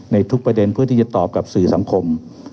ในทุกประเด็นเพื่อที่จะตอบกับสื่อสังคม